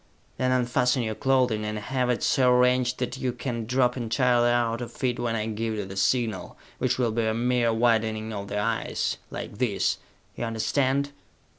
Then unfasten your clothing, and have it so arranged that you can drop entirely out of it when I give you the signal, which will be a mere widening of the eyes, like this! You understand?